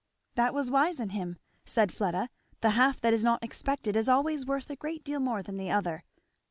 "That was wise in him," said Fleda; "the half that is not expected is always worth a great deal more than the other."